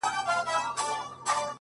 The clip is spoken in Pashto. چي را نه سې پر دې سیمه پر دې لاره-